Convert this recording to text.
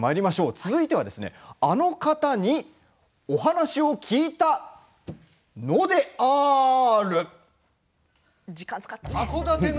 続いてあの方にお話を聞いたのである！